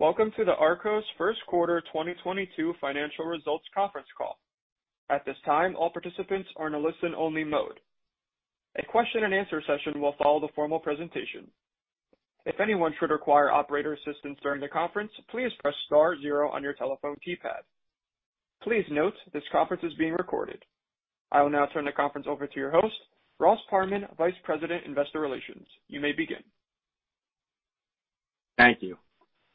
Greetings. Welcome to ARKO's first quarter 2022 financial results conference call. At this time, all participants are in a listen-only mode. A question and answer session will follow the formal presentation. If anyone should require operator assistance during the conference, please press star zero on your telephone keypad. Please note, this conference is being recorded. I will now turn the conference over to your host, Ross Parman, Vice President, Investor Relations. You may begin. Thank you.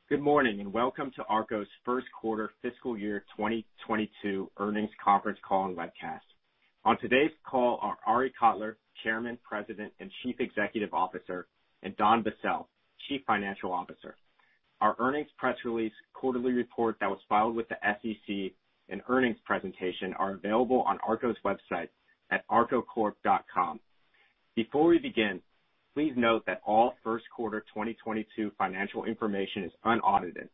Good morning, and welcome to ARKO's first quarter fiscal year 2022 earnings conference call and webcast. On today's call are Arie Kotler, Chairman, President, and Chief Executive Officer, and Don Bassell, Chief Financial Officer. Our earnings press release, quarterly report that was filed with the SEC, and earnings presentation are available on ARKO's website at arkocorp.com. Before we begin, please note that all first quarter 2022 financial information is unaudited.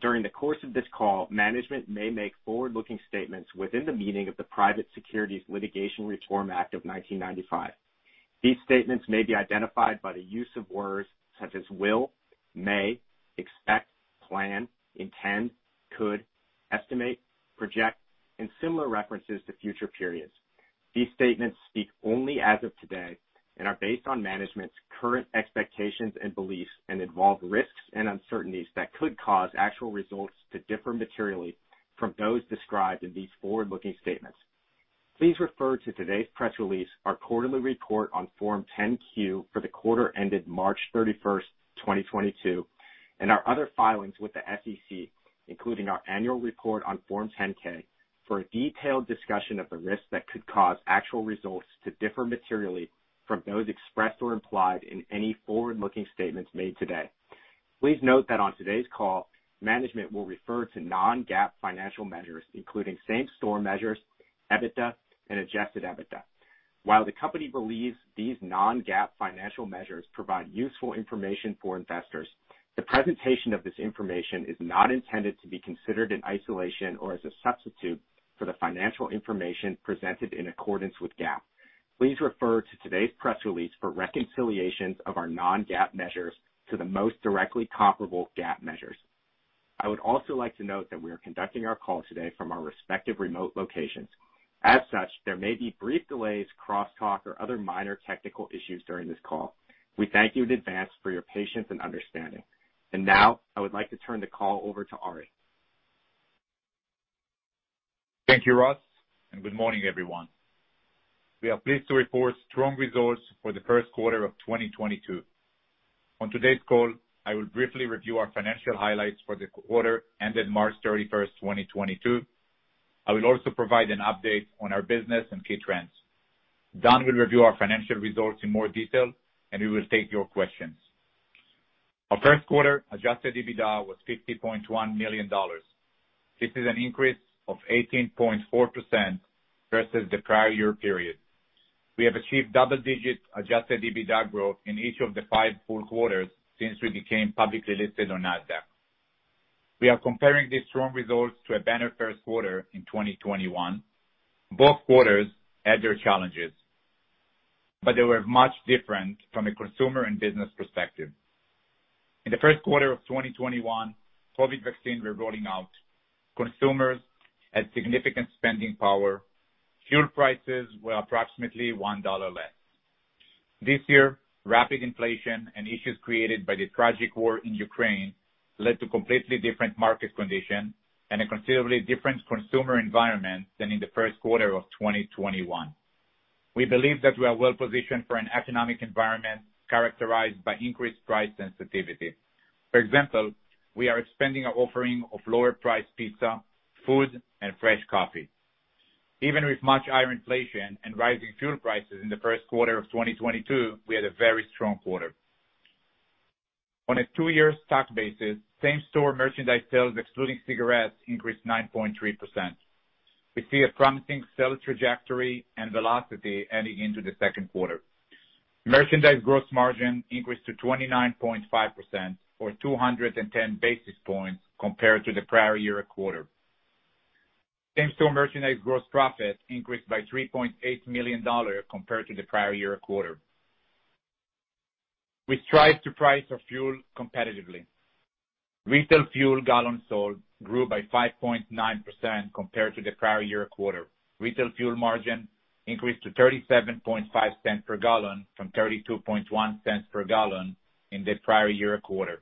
During the course of this call, management may make forward-looking statements within the meaning of the Private Securities Litigation Reform Act of 1995. These statements may be identified by the use of words such as will, may, expect, plan, intend, could, estimate, project, and similar references to future periods. These statements speak only as of today and are based on management's current expectations and beliefs and involve risks and uncertainties that could cause actual results to differ materially from those described in these forward-looking statements. Please refer to today's press release, our quarterly report on Form 10-Q for the quarter ended March 31, 2022, and our other filings with the SEC, including our annual report on Form 10-K, for a detailed discussion of the risks that could cause actual results to differ materially from those expressed or implied in any forward-looking statements made today. Please note that on today's call, management will refer to non-GAAP financial measures, including same-store measures, EBITDA, and adjusted EBITDA. While the company believes these non-GAAP financial measures provide useful information for investors, the presentation of this information is not intended to be considered in isolation or as a substitute for the financial information presented in accordance with GAAP. Please refer to today's press release for reconciliations of our non-GAAP measures to the most directly comparable GAAP measures. I would also like to note that we are conducting our call today from our respective remote locations. As such, there may be brief delays, crosstalk, or other minor technical issues during this call. We thank you in advance for your patience and understanding. Now, I would like to turn the call over to Arie. Thank you, Ross, and good morning, everyone. We are pleased to report strong results for the first quarter of 2022. On today's call, I will briefly review our financial highlights for the quarter ended March 31, 2022. I will also provide an update on our business and key trends. Don will review our financial results in more detail, and we will take your questions. Our first quarter adjusted EBITDA was $50.1 million. This is an increase of 18.4% versus the prior year period. We have achieved double-digit adjusted EBITDA growth in each of the 5 full quarters since we became publicly listed on NASDAQ. We are comparing these strong results to a better first quarter in 2021. Both quarters had their challenges, but they were much different from a consumer and business perspective. In the first quarter of 2021, COVID vaccines were rolling out, consumers had significant spending power, fuel prices were approximately $1 less. This year, rapid inflation and issues created by the tragic war in Ukraine led to completely different market conditions and a considerably different consumer environment than in the first quarter of 2021. We believe that we are well-positioned for an economic environment characterized by increased price sensitivity. For example, we are expanding our offering of lower-priced pizza, food, and fresh coffee. Even with much higher inflation and rising fuel prices in the first quarter of 2022, we had a very strong quarter. On a two-year stack basis, same-store merchandise sales, excluding cigarettes, increased 9.3%. We see a promising sales trajectory and velocity heading into the second quarter. Merchandise gross margin increased to 29.5% or 210 basis points compared to the prior year quarter. Same-store merchandise gross profit increased by $3.8 million compared to the prior year quarter. We strive to price our fuel competitively. Retail fuel gallons sold grew by 5.9% compared to the prior year quarter. Retail fuel margin increased to 37.5 cents per gallon from 32.1 cents per gallon in the prior year quarter.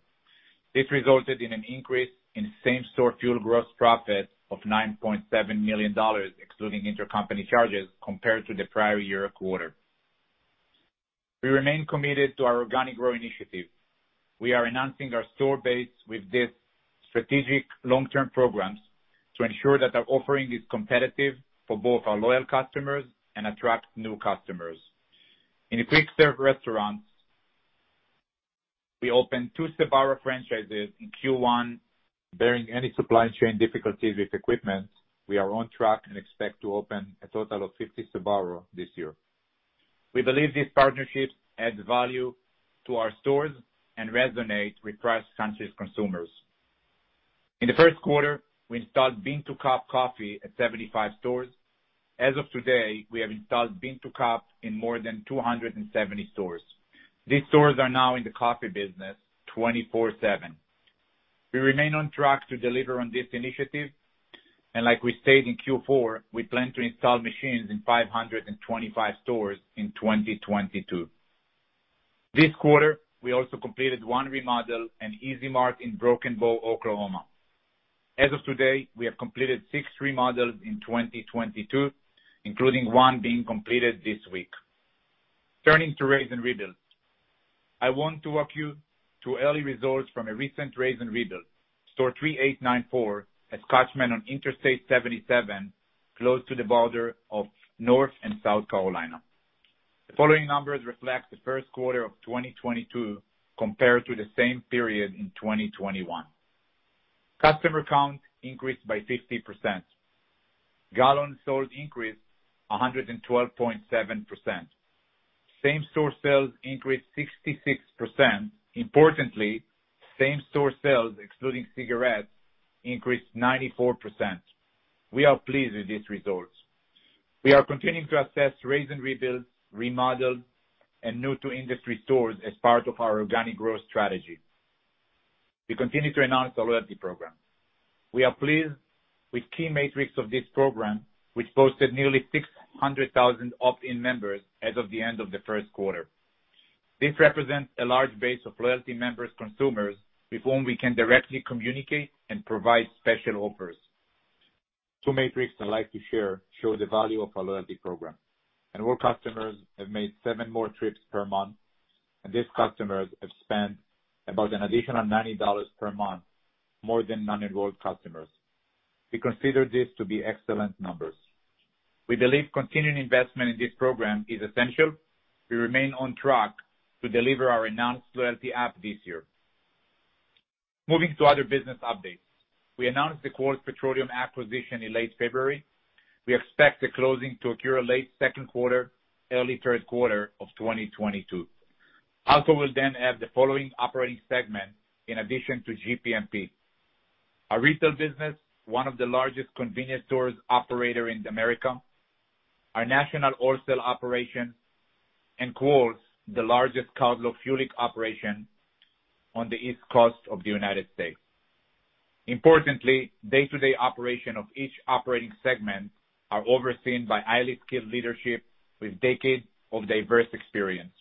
This resulted in an increase in same-store fuel gross profit of $9.7 million, excluding intercompany charges, compared to the prior year quarter. We remain committed to our organic growth initiative. We are enhancing our store base with these strategic long-term programs to ensure that our offering is competitive for both our loyal customers and attract new customers. In quick serve restaurants, we opened 2 Sbarro franchises in Q1. Bearing any supply chain difficulties with equipment, we are on track and expect to open a total of 50 Sbarro this year. We believe these partnerships add value to our stores and resonate with price-conscious consumers. In the first quarter, we installed bean-to-cup coffee at 75 stores. As of today, we have installed bean-to-cup in more than 270 stores. These stores are now in the coffee business 24/7. We remain on track to deliver on this initiative, and like we said in Q4, we plan to install machines in 525 stores in 2022. This quarter, we also completed 1 remodel, an E-Z Mart in Broken Bow, Oklahoma. As of today, we have completed 6 remodels in 2022, including 1 being completed this week. Turning to raze and rebuild. I want to walk you through early results from a recent raze and rebuild. Store 3894 is located on Interstate 77, close to the border of North and South Carolina. The following numbers reflect the first quarter of 2022 compared to the same period in 2021. Customer count increased by 50%. Gallons sold increased 112.7%. Same-store sales increased 66%. Importantly, same-store sales excluding cigarettes increased 94%. We are pleased with these results. We are continuing to assess raze and rebuild, remodels, and new-to-industry stores as part of our organic growth strategy. We continue to advance our loyalty program. We are pleased with key metrics of this program, which posted nearly 600,000 opt-in members as of the end of the first quarter. This represents a large base of loyalty members consumers with whom we can directly communicate and provide special offers. Two metrics I'd like to share show the value of our loyalty program. Enrolled customers have made 7 more trips per month, and these customers have spent about an additional $90 per month, more than non-enrolled customers. We consider this to be excellent numbers. We believe continuing investment in this program is essential. We remain on track to deliver our announced loyalty app this year. Moving to other business updates. We announced the Quarles Petroleum acquisition in late February. We expect the closing to occur late second quarter, early third quarter of 2022. Also, we'll then add the following operating segment in addition to GPMP. Our retail business, one of the largest convenience store operators in America, our national wholesale operation, and Quarles, the largest cardlock fuel operation on the East Coast of the United States. Importantly, day-to-day operations of each operating segment are overseen by highly skilled leadership with decades of diverse experience.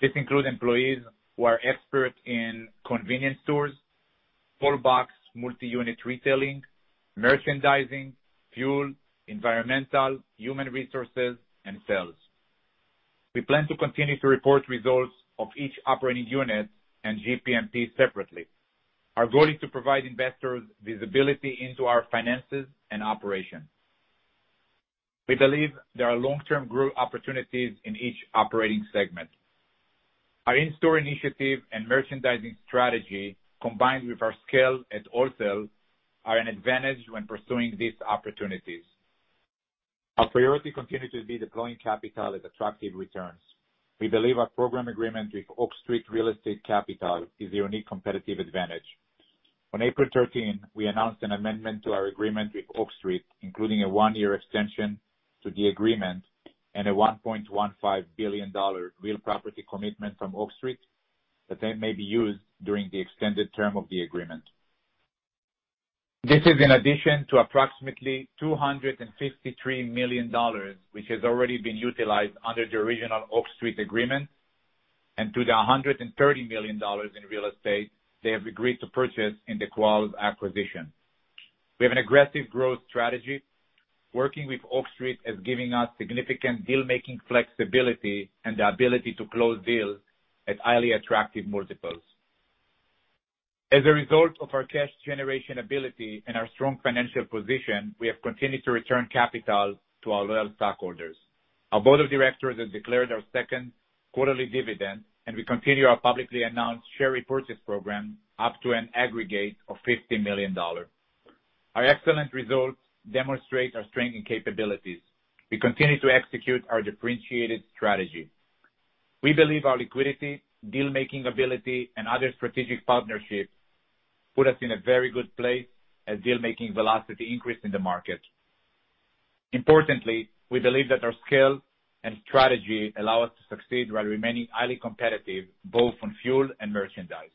This includes employees who are expert in convenience stores, fuel ops, multi-unit retailing, merchandising, fuel, environmental, human resources, and sales. We plan to continue to report results of each operating unit and GPMP separately. Our goal is to provide investors visibility into our finances and operations. We believe there are long-term growth opportunities in each operating segment. Our in-store initiative and merchandising strategy, combined with our scale at wholesale, are an advantage when pursuing these opportunities. Our priority continues to be deploying capital at attractive returns. We believe our program agreement with Oak Street Real Estate Capital is a unique competitive advantage. On April 13, we announced an amendment to our agreement with Oak Street, including a one-year extension to the agreement and a $1.15 billion real property commitment from Oak Street that then may be used during the extended term of the agreement. This is in addition to approximately $253 million, which has already been utilized under the original Oak Street agreement, and to the $130 million in real estate they have agreed to purchase in the Quarles acquisition. We have an aggressive growth strategy. Working with Oak Street is giving us significant deal-making flexibility and the ability to close deals at highly attractive multiples. As a result of our cash generation ability and our strong financial position, we have continued to return capital to our loyal stockholders. Our board of directors has declared our second quarterly dividend, and we continue our publicly announced share repurchase program up to an aggregate of $50 million. Our excellent results demonstrate our strength and capabilities. We continue to execute our differentiated strategy. We believe our liquidity, deal-making ability, and other strategic partnerships put us in a very good place as deal-making velocity increase in the market. Importantly, we believe that our scale and strategy allow us to succeed while remaining highly competitive, both on fuel and merchandise.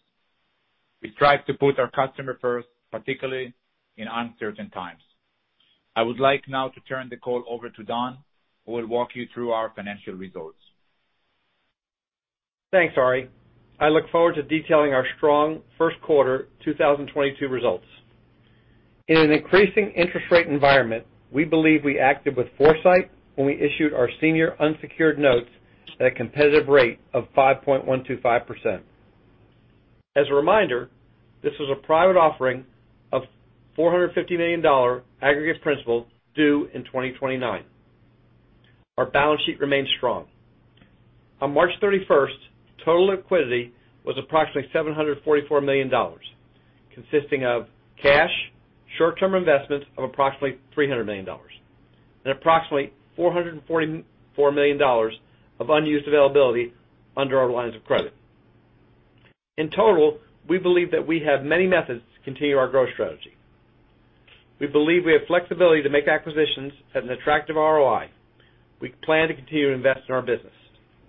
We strive to put our customer first, particularly in uncertain times. I would like now to turn the call over to Don, who will walk you through our financial results. Thanks, Arie. I look forward to detailing our strong first quarter 2022 results. In an increasing interest rate environment, we believe we acted with foresight when we issued our senior unsecured notes at a competitive rate of 5.125%. As a reminder, this was a private offering of $450 million aggregate principal due in 2029. Our balance sheet remains strong. On March 31, total liquidity was approximately $744 million, consisting of cash, short-term investments of approximately $300 million and approximately $444 million of unused availability under our lines of credit. In total, we believe that we have many methods to continue our growth strategy. We believe we have flexibility to make acquisitions at an attractive ROI. We plan to continue to invest in our business,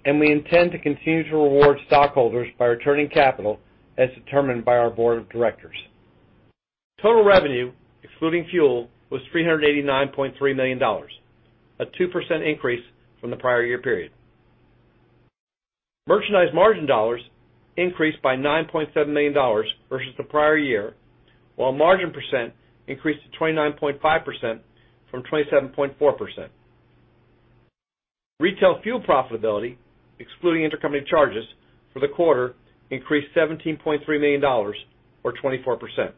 and we intend to continue to reward stockholders by returning capital as determined by our board of directors. Total revenue, excluding fuel, was $389.3 million, a 2% increase from the prior year period. Merchandise margin dollars increased by $9.7 million versus the prior year, while margin percent increased to 29.5% from 27.4%. Retail fuel profitability, excluding intercompany charges, for the quarter increased $17.3 million or 24%.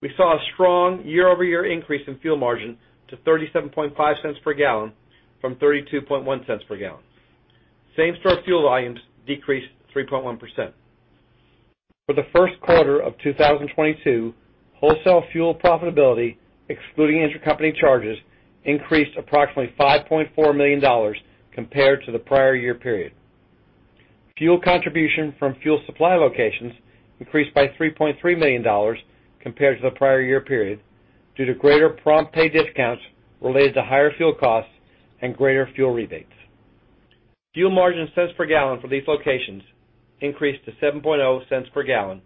We saw a strong year-over-year increase in fuel margin to 37.5 cents per gallon from 32.1 cents per gallon. Same-store fuel volumes decreased 3.1%. For the first quarter of 2022, wholesale fuel profitability, excluding intercompany charges, increased approximately $5.4 million compared to the prior year period. Fuel contribution from fuel supply locations increased by $3.3 million compared to the prior year period due to greater prompt pay discounts related to higher fuel costs and greater fuel rebates. Fuel margin cents per gallon for these locations increased to 7.0 cents per gallon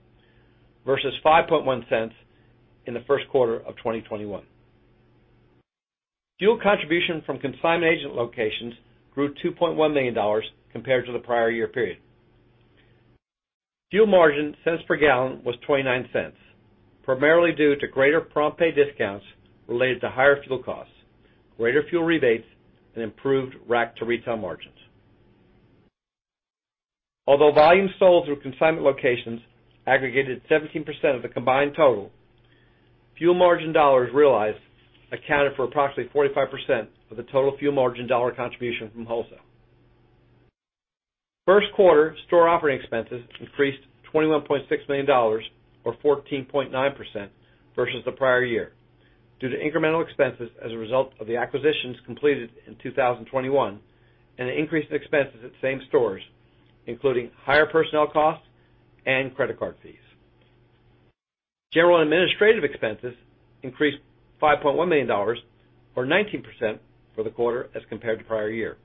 versus 5.1 cents in the first quarter of 2021. Fuel contribution from consignment agent locations grew $2.1 million compared to the prior year period. Fuel margin cents per gallon was 29 cents, primarily due to greater prompt pay discounts related to higher fuel costs, greater fuel rebates and improved rack-to-retail margins. Although volumes sold through consignment locations aggregated 17% of the combined total, fuel margin dollars realized accounted for approximately 45% of the total fuel margin dollar contribution from wholesale. First quarter store operating expenses increased $21.6 million or 14.9% versus the prior year due to incremental expenses as a result of the acquisitions completed in 2021 and an increase in expenses at same-store stores, including higher personnel costs and credit card fees. General and administrative expenses increased $5.1 million or 19% for the quarter as compared to prior year,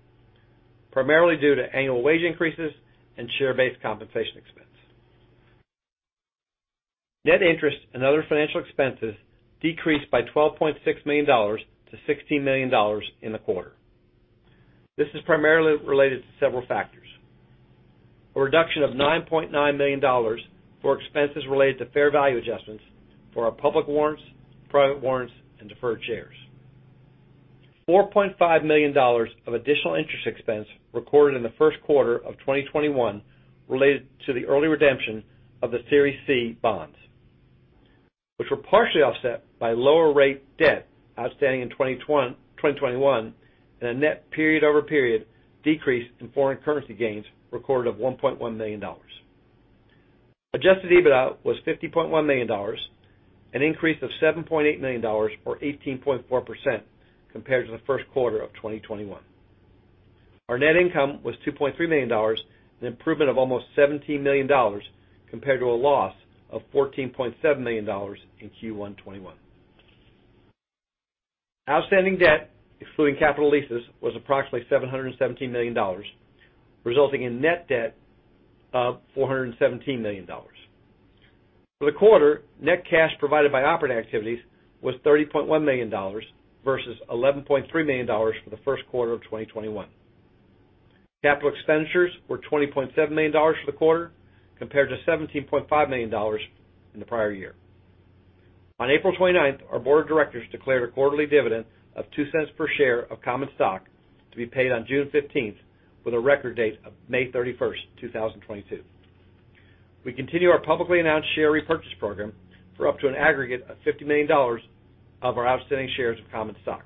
primarily due to annual wage increases and share-based compensation expense. Net interest and other financial expenses decreased by $12.6 million to $16 million in the quarter. This is primarily related to several factors. A reduction of $9.9 million for expenses related to fair value adjustments for our public warrants, private warrants and deferred shares. $4.5 million of additional interest expense recorded in the first quarter of 2021 related to the early redemption of the Series C bonds, which were partially offset by lower rate debt outstanding in 2021 and a net period-over-period decrease in foreign currency gains recorded of $1.1 million. Adjusted EBITDA was $50.1 million, an increase of $7.8 million or 18.4% compared to the first quarter of 2021. Our net income was $2.3 million, an improvement of almost 17 million dollars compared to a loss of $14.7 million in Q1 2021. Outstanding debt, excluding capital leases, was approximately $717 million, resulting in net debt of $417 million. For the quarter, net cash provided by operating activities was $30.1 million versus $11.3 million for the first quarter of 2021. Capital expenditures were $20.7 million for the quarter compared to $17.5 million in the prior year. On April 29th, our board of directors declared a quarterly dividend of $0.02 per share of common stock to be paid on June 15th, with a record date of May 31st, 2022. We continue our publicly announced share repurchase program for up to an aggregate of $50 million of our outstanding shares of common stock.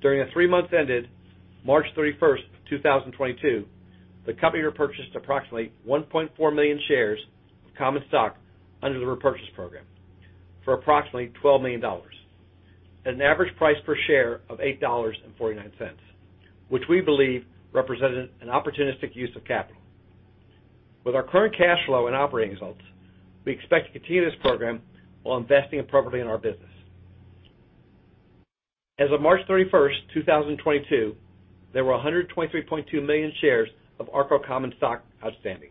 During the three months ended March 31, 2022, the company repurchased approximately 1.4 million shares of common stock under the repurchase program for approximately $12 million at an average price per share of $8.49, which we believe represented an opportunistic use of capital. With our current cash flow and operating results, we expect to continue this program while investing appropriately in our business. As of March 31, 2022, there were 123.2 million shares of ARKO common stock outstanding.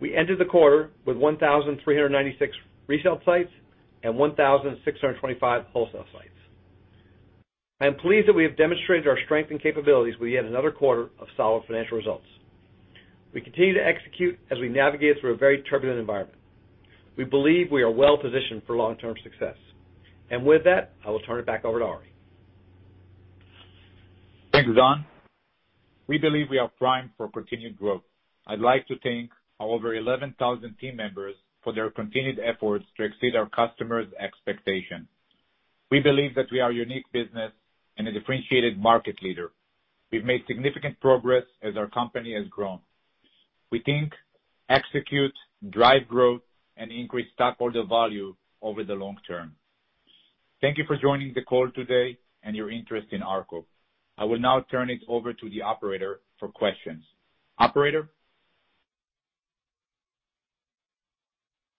We ended the quarter with 1,396 resale sites and 1,625 wholesale sites. I am pleased that we have demonstrated our strength and capabilities with yet another quarter of solid financial results. We continue to execute as we navigate through a very turbulent environment. We believe we are well positioned for long-term success. With that, I will turn it back over to Arie. Thanks, Don. We believe we are primed for continued growth. I'd like to thank our over 11,000 team members for their continued efforts to exceed our customers' expectations. We believe that we are a unique business and a differentiated market leader. We've made significant progress as our company has grown. We think execute, drive growth, and increase stockholder value over the long term. Thank you for joining the call today and your interest in ARKO. I will now turn it over to the operator for questions. Operator?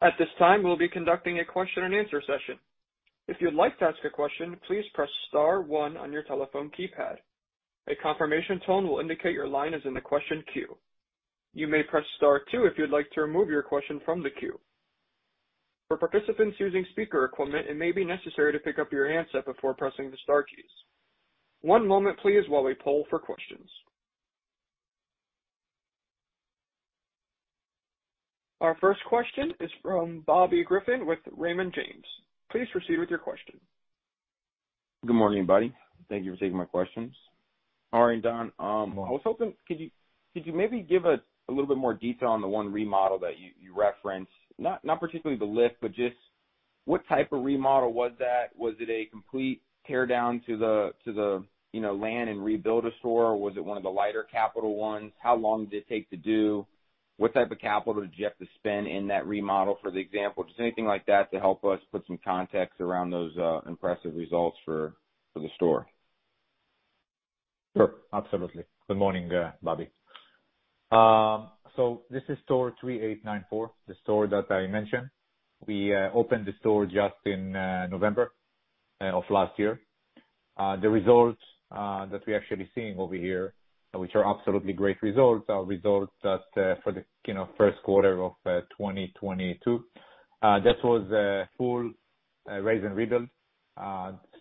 At this time, we'll be conducting a question and answer session. If you'd like to ask a question, please press star one on your telephone keypad. A confirmation tone will indicate your line is in the question queue. You may press star two if you'd like to remove your question from the queue. For participants using speaker equipment, it may be necessary to pick up your handset before pressing the star keys. One moment please while we poll for questions. Our first question is from Bobby Griffin with Raymond James. Please proceed with your question. Good morning, everybody. Thank you for taking my questions. Arie and Don, I was hoping, could you maybe give a little bit more detail on the one remodel that you referenced? Not particularly the lift, but just what type of remodel was that? Was it a complete tear down to the, land and rebuild a store, or was it one of the lighter capital ones? How long did it take to do? What type of capital did you have to spend in that remodel, for example? Just anything like that to help us put some context around those impressive results for the store. Sure. Absolutely. Good morning, Bobby. This is store 3894, the store that Arie mentioned. We opened the store just in November of last year. The results that we're actually seeing over here, which are absolutely great results, are results for the first quarter of 2022. That was a full raze and rebuild.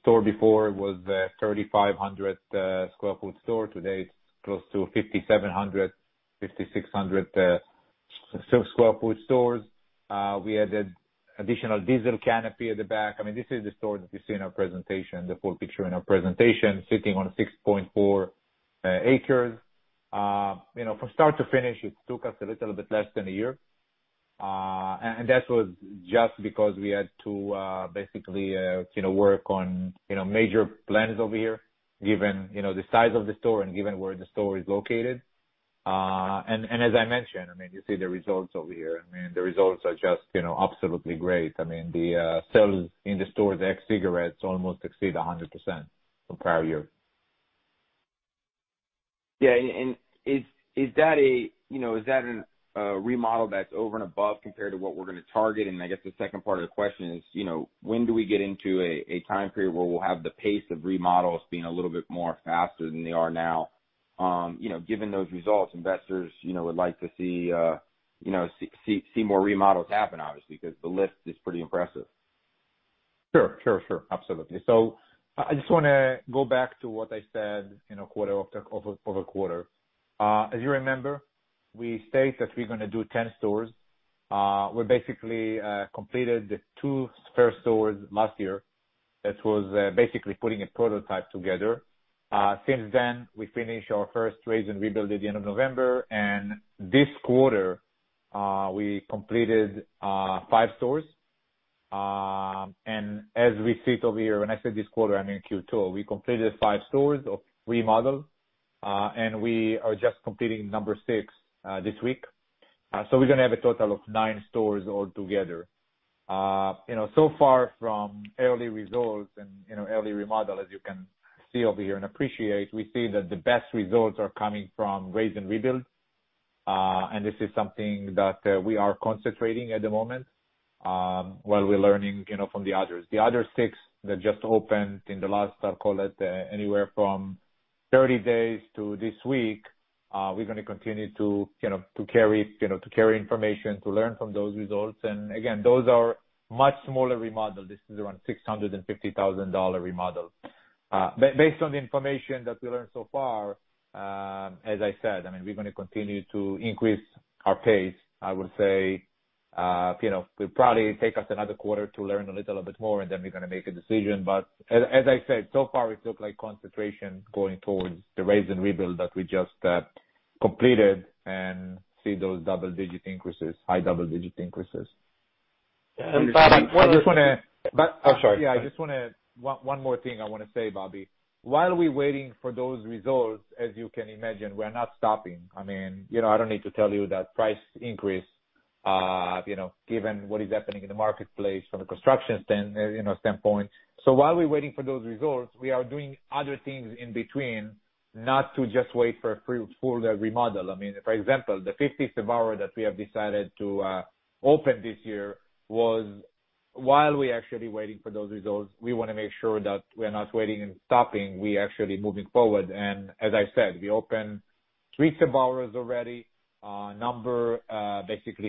Store before was a 3,500 sq ft store. Today, it's close to 5,700, 5,600 sq ft stores. We added additional diesel canopy at the back. I mean, this is the store that you see in our presentation, the full picture in our presentation, sitting on 6.4 acres. From start to finish, it took us a little bit less than a year. That was just because we had to basically, you know, work on, you know, major plans over here given, you know, the size of the store and given where the store is located. As I mentioned, I mean, you see the results over here. I mean, the results are just, absolutely great. I mean, the sales in the store, the ex-cigarettes almost exceed 100% from prior year. Yeah. Is that a remodel that's over and above compared to what we're gonna target? I guess the second part of the question is, you know, when do we get into a time period where we'll have the pace of remodels being a little bit more faster than they are now? Given those results, investors would like to see more remodels happen, obviously, because the lift is pretty impressive. Sure. Absolutely. I just wanna go back to what I said in a quarter. As you remember, we state that we're gonna do 10 stores. We basically completed the first two stores last year. That was basically putting a prototype together. Since then, we finished our first raze and rebuild at the end of November. This quarter, we completed 5 stores. As we see it over here, when I say this quarter, I mean Q2, we completed 5 store remodels, and we are just completing number 6 this week. We're gonna have a total of 9 stores all together. So far from early results and, you know, early remodel, as you can see over here and appreciate, we see that the best results are coming from raze and rebuild, and this is something that we are concentrating at the moment, while we're learning, from the others. The other six that just opened in the last, I'll call it, anywhere from 30 days to this week, we're gonna continue to, you know, to carry information, to learn from those results. Again, those are much smaller remodels. This is around $650,000 remodels. Based on the information that we learned so far, as I said, I mean, we're gonna continue to increase our pace. I will say, will probably take us another quarter to learn a little bit more, and then we're gonna make a decision. As I said, so far it looks like concentration going towards the raze and rebuild that we just completed and see those double-digit increases, high double-digit increases. Bobby, I just wanna- But- Oh, sorry. I just want one more thing I want to say, Bobby. While we're waiting for those results, as you can imagine, we're not stopping. I mean, I don't need to tell you that price increase, given what is happening in the marketplace from a construction standpoint. While we're waiting for those results, we are doing other things in between not to just wait for a full remodel. I mean, for example, the fifth Sbarro that we have decided to open this year was, while we're actually waiting for those results, we want to make sure that we're not waiting and stopping, we're actually moving forward. As I said, we opened three Sbarros already. Basically, number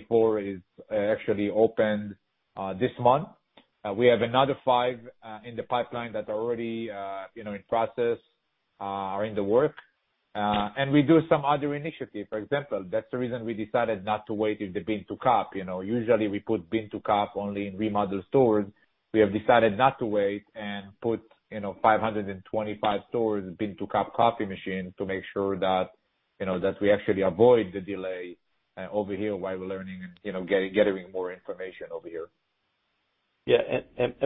four is actually opened this month. We have another 5 in the pipeline that are already, you know, in process, are in the works. We do some other initiative. For example, that's the reason we decided not to wait in the bean-to-cup. You know? Usually, we put bean-to-cup only in remodeled stores. We have decided not to wait and put, you know, 525 stores bean-to-cup coffee machine to make sure that we actually avoid the delay over here while we're learning and, getting more information over here. Yeah,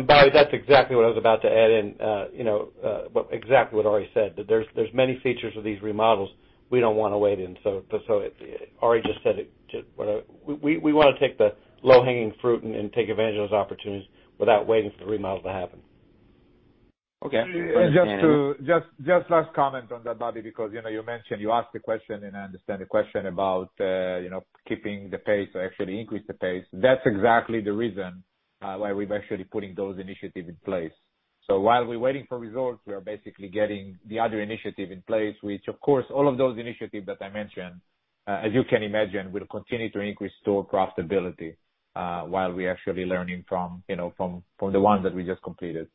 Bobby, that's exactly what I was about to add in, you know, but exactly what Ari said, that there's many features of these remodels we don't wanna wait in. Ari just said it. We wanna take the low-hanging fruit and take advantage of those opportunities without waiting for the remodel to happen. Okay. Just last comment on that, Bobby, because you know, you mentioned, you asked the question, and I understand the question about you know, keeping the pace or actually increase the pace. That's exactly the reason why we're actually putting those initiative in place. While we're waiting for results, we are basically getting the other initiative in place, which of course, all of those initiative that I mentioned, as you can imagine, will continue to increase store profitability while we're actually learning from you know, from the ones that we just completed.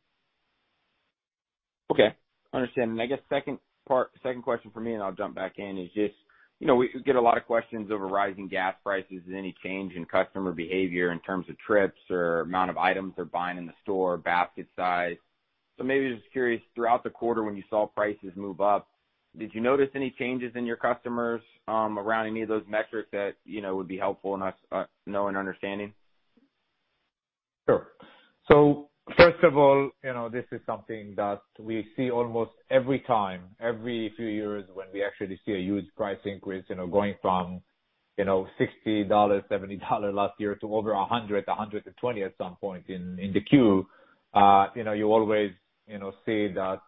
Okay. Understand. I guess second part, second question for me, and I'll jump back in, is just, you know, we get a lot of questions over rising gas prices. Is there any change in customer behavior in terms of trips or amount of items they're buying in the store, basket size? Maybe just curious, throughout the quarter when you saw prices move up, did you notice any changes in your customers around any of those metrics that, would be helpful in us knowing and understanding? Sure. First of all, you know, this is something that we see almost every time, every few years when we actually see a huge price increase, you know, going from, you know, $60, $70 last year to over $100, $120 at some point in the Q. You always, see that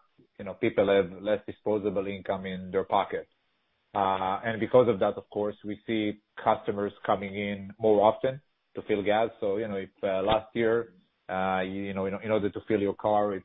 people have less disposable income in their pocket. And because of that, of course, we see customers coming in more often to fill gas. You know, if last year, you know, in order to fill your car, it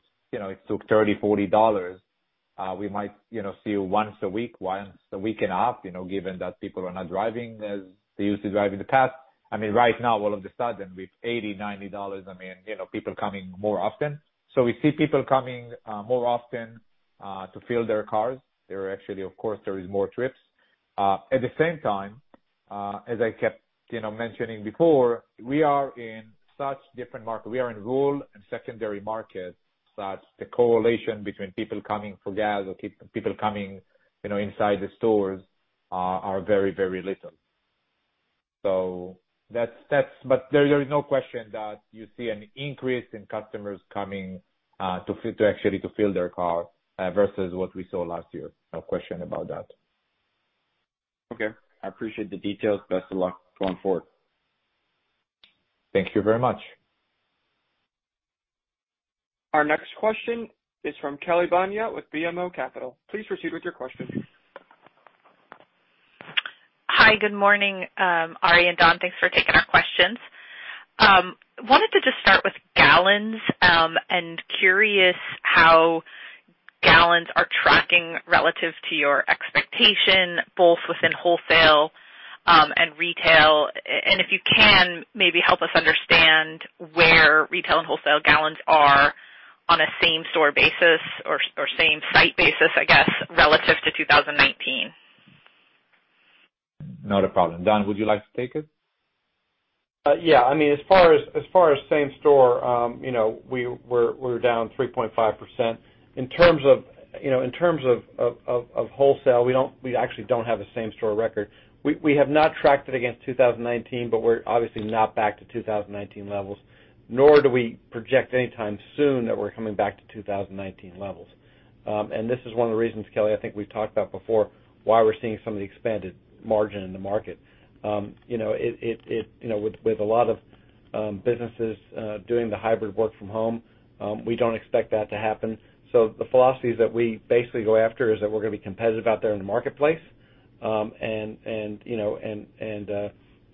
took $30, $40, we might see you once a week, once a week and a half, given that people are not driving as they used to drive in the past. I mean, right now, all of a sudden, with $80-$90, I mean, you know, people coming more often. We see people coming more often to fill their cars. There are actually, of course, there is more trips. At the same time, as I kept, mentioning before, we are in such different market. We are in rural and secondary markets, that the correlation between people coming for gas people coming, inside the stores are very, very little. That's but there is no question that you see an increase in customers coming to actually to fill their car versus what we saw last year. No question about that. Okay. I appreciate the details. Best of luck going forward. Thank you very much. Our next question is from Kelly Bania with BMO Capital. Please proceed with your question. Hi. Good morning, Arie and Don. Thanks for taking our questions. Wanted to just start with gallons and curious how gallons are tracking relative to your expectation both within wholesale and retail. If you can, maybe help us understand where retail and wholesale gallons are on a same-store basis or same site basis, I guess, relative to 2019. Not a problem. Don, would you like to take it? Yeah. I mean, as far as same-store, you know, we're down 3.5%. In terms of, you know, wholesale, we actually don't have a same-store record. We have not tracked it against 2019, but we're obviously not back to 2019 levels, nor do we project any time soon that we're coming back to 2019 levels. This is one of the reasons, Kelly, I think we've talked about before, why we're seeing some of the expanded margin in the market. With a lot of businesses doing the hybrid work from home, we don't expect that to happen. The philosophies that we basically go after is that we're gonna be competitive out there in the marketplace, and you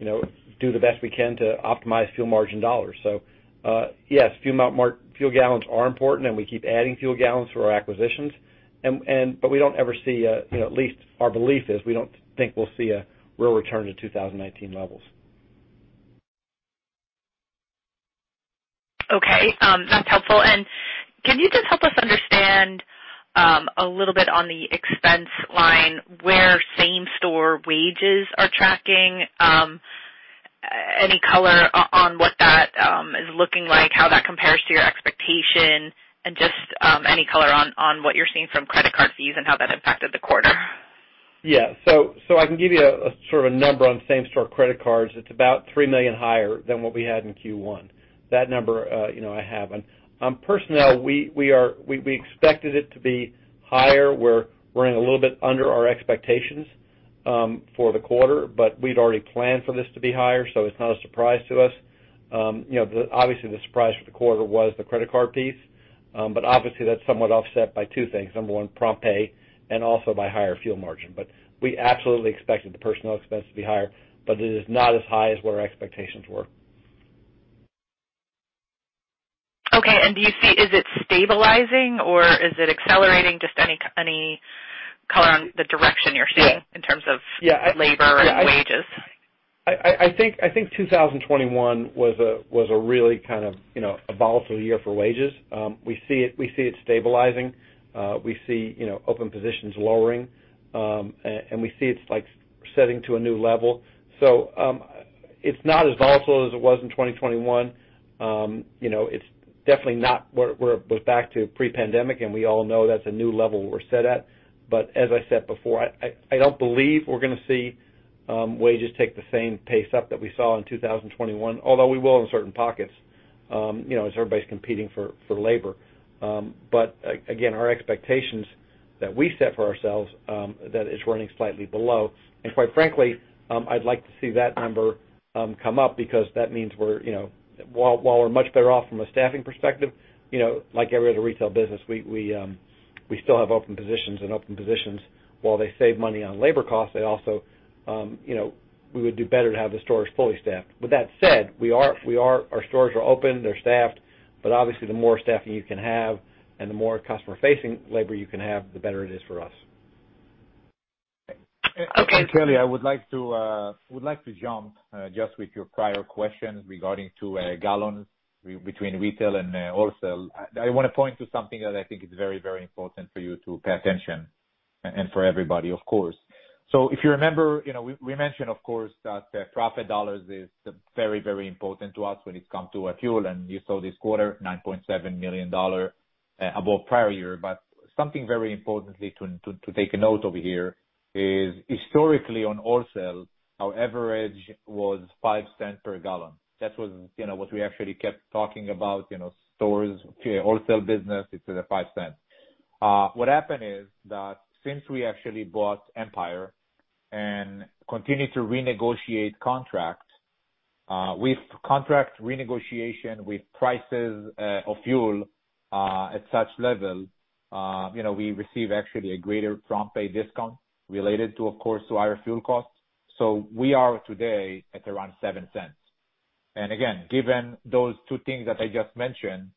know, do the best we can to optimize fuel margin dollars. Yes, fuel gallons are important, and we keep adding fuel gallons through our acquisitions, but we don't ever see, at least our belief is we don't think we'll see a real return to 2019 levels. Okay. That's helpful. Can you just help us understand a little bit on the expense line where same-store wages are tracking? Any color on what that is looking like, how that compares to your expectation, and just any color on what you're seeing from credit card fees and how that impacted the quarter? Yeah. I can give you a sort of a number on same-store credit cards. It's about $3 million higher than what we had in Q1. That number I have. On personnel, we expected it to be higher. We're in a little bit under our expectations for the quarter, but we'd already planned for this to be higher, so it's not a surprise to us. Obviously the surprise for the quarter was the credit card piece. Obviously that's somewhat offset by two things. Number one, prompt pay, and also by higher fuel margin. We absolutely expected the personnel expense to be higher, but it is not as high as what our expectations were. Okay. Do you see is it stabilizing or is it accelerating? Just any color on the direction you're seeing in terms of labor and wages? I think 2021 was a really kind of a volatile year for wages. We see it stabilizing. We see, you know, open positions lowering, and we see it's like setting to a new level. It's not as volatile as it was in 2021. It's definitely not where it was back to pre-pandemic, and we all know that's a new level we're set at. I don't believe we're gonna see wages take the same pace up that we saw in 2021, although we will in certain pockets, you know, as everybody's competing for labor. Again, our expectations that we set for ourselves, that it's running slightly below. Quite frankly, I'd like to see that number come up because that means we're, you know. While we're much better off from a staffing perspective, like every other retail business, we still have open positions, and open positions while they save money on labor costs, they also, you know, we would do better to have the stores fully staffed. With that said, our stores are open, they're staffed, but obviously the more staffing you can have and the more customer-facing labor you can have, the better it is for us. Okay. Kelly, I would like to jump just with your prior question regarding gallons between retail and wholesale. I wanna point to something that I think is very, very important for you to pay attention and for everybody, of course. If you remember, we mentioned of course that profit dollars is very, very important to us when it comes to our fuel, and you saw this quarter, $9.7 million above prior year. Something very importantly to take a note over here is historically on wholesale, our average was five cents per gallon. That was, you know, what we actually kept talking about, you know, stores, wholesale business, it's at the five cents. What happened is that since we actually bought Empire and continued to renegotiate contracts with prices of fuel at such level, we receive actually a greater prompt pay discount related to, of course, our fuel costs. We are today at around $0.07. Again, given those two things that I just mentioned,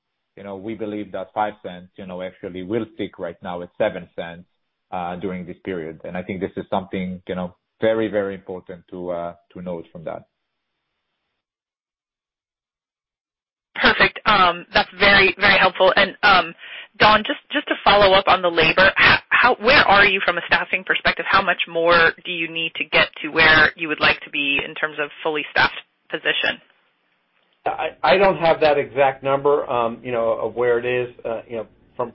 we believe that $0.05 actually will stick right now at $0.07 during this period. I think this is something very, very important to note from that. Perfect. That's very, very helpful. Don, just to follow up on the labor, where are you from a staffing perspective? How much more do you need to get to where you would like to be in terms of fully staffed position? I don't have that exact number, of where it is, you know, from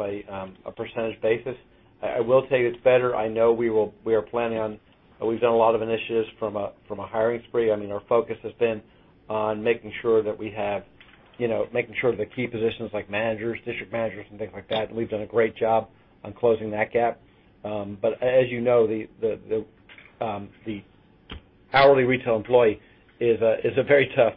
a percentage basis. I will tell you it's better. I know we are planning on. We've done a lot of initiatives from a hiring spree. I mean, our focus has been on making sure that we have, making sure the key positions like managers, district managers, and things like that, we've done a great job on closing that gap. As you know, the hourly retail employee is a very tough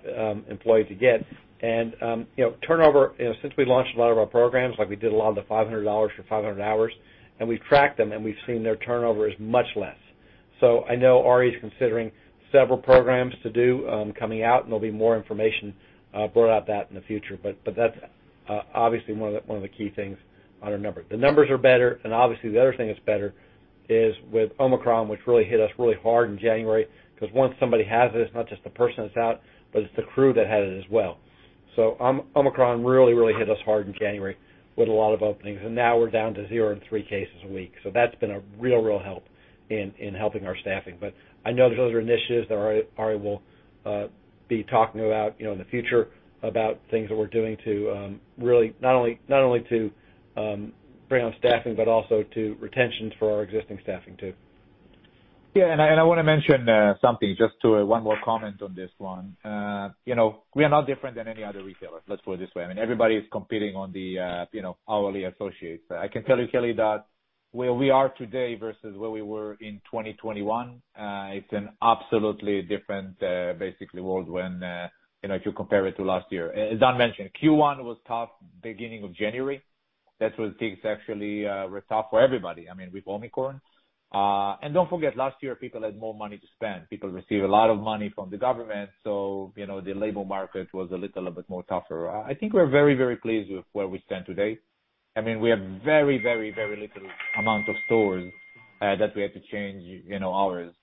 employee to get. You know, turnover, you know, since we launched a lot of our programs, like we did a lot of the $500 for 500 hours, and we've tracked them, and we've seen their turnover is much less. I know Arie is considering several programs to do, coming out, and there'll be more information about that in the future. That's obviously one of the key things on our numbers. The numbers are better, and obviously, the other thing that's better is with Omicron, which really hit us really hard in January, 'cause once somebody has it's not just the person that's out, but it's the crew that has it as well. Omicron really hit us hard in January with a lot of openings, and now we're down to 0-3 cases a week. That's been a real help in helping our staffing. I know there's other initiatives that Arie will be talking about, in the future about things that we're doing to really not only to bring on staffing, but also to retentions for our existing staffing too. Yeah. I wanna mention something just to one more comment on this one. You know, we are no different than any other retailer. Let's put it this way. I mean, everybody is competing on the hourly associates. I can tell you, Kelly, that where we are today versus where we were in 2021, it's an absolutely different basically world when you know if you compare it to last year. As Don mentioned, Q1 was tough, beginning of January. That's when things actually were tough for everybody, I mean, with Omicron. Don't forget, last year people had more money to spend. People received a lot of money from the government, so you know the labor market was a little bit more tougher. I think we're very, very pleased with where we stand today. I mean, we have very little amount of stores that we had to change hours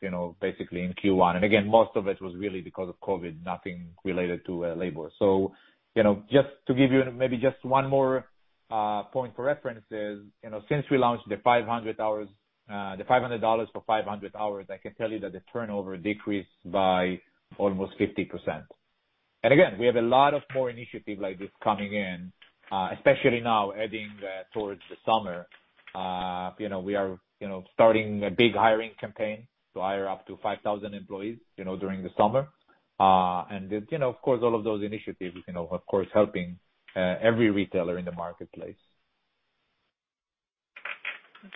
basically in Q1. Again, most of it was really because of COVID, nothing related to labor. Jjust to give you maybe just one more point for reference is, you know, since we launched the $500 for 500 hours, I can tell you that the turnover decreased by almost 50%. Again, we have a lot more initiatives like this coming in, especially now heading towards the summer. We are starting a big hiring campaign to hire up to 5,000 employees during the summer. Of course, all of those initiatives, you know, of course, helping every retailer in the marketplace.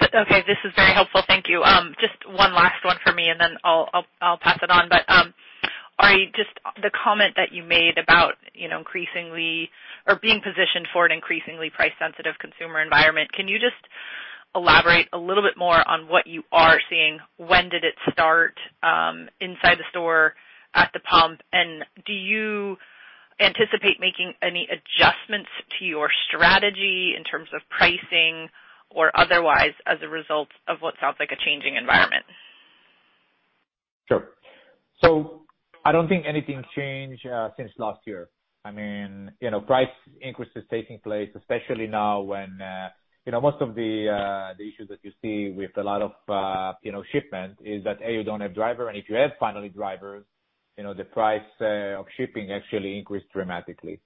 Okay. This is very helpful. Thank you. Just one last one for me, and then I'll pass it on. Ari, just the comment that you made about, you know, increasingly or being positioned for an increasingly price-sensitive consumer environment, can you just elaborate a little bit more on what you are seeing? When did it start, inside the store, at the pump? And do you anticipate making any adjustments to your strategy in terms of pricing or otherwise as a result of what sounds like a changing environment? Sure. I don't think anything changed since last year. I mean, you know, price increase is taking place, especially now when you know, most of the issues that you see with a lot of shipment is that, A, you don't have driver. If you have finally drivers, you know, the price of shipping actually increased dramatically.